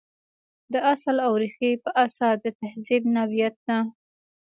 د اصل او ریښې په اساس د تهذیب نوعیت ته.